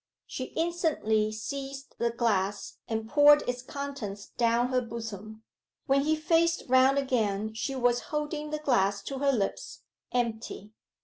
She instantly seized the glass, and poured its contents down her bosom. When he faced round again she was holding the glass to her lips, empty.